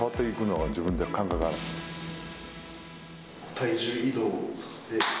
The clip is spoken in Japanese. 体重移動させて。